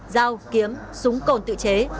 dao kiếm súng cồn tự chế